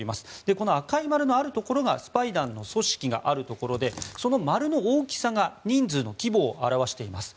この赤い丸のあるところがスパイ団の組織があるところでその丸の大きさが人数の規模を表しています。